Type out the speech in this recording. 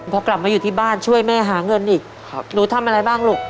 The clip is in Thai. พอกลับมาอยู่ที่บ้านช่วยแม่หาเงินอีกหนูทำอะไรบ้างลูก